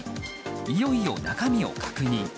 いよいよ中身を確認。